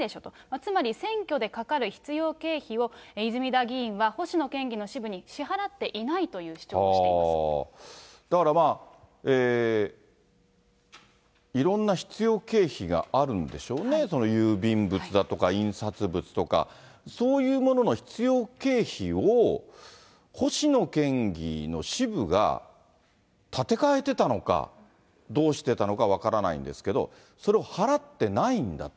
つまり選挙でかかる必要経費を、泉田議員は星野県議の支部に支払っていないという主張をしていまだからまあ、いろんな必要経費があるんでしょうね、郵便物だとか印刷物とか、そういうものの必要経費を、星野県議の支部が立て替えてたのか、どうしてたのか分からないんですけど、それを払ってないんだと。